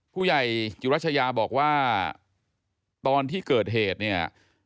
ผู้ใหญ่จุรัชยาบอกว่าตอนที่เกิดเหตุเนี่ย